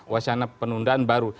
wacana penundaan baru